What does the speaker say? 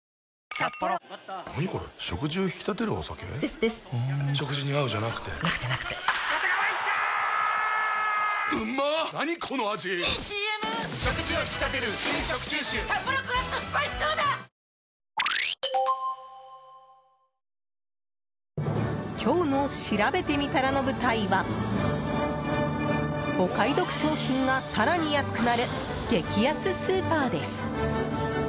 「サッポロクラフトスパイスソーダ」今日のしらべてみたらの舞台はお買い得商品が更に安くなる激安スーパーです。